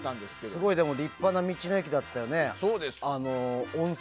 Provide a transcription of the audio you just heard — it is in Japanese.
すごい、でも立派な道の駅だったよね。